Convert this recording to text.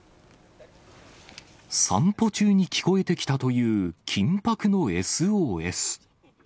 散歩中に聞こえてきたという、緊迫のＳＯＳ。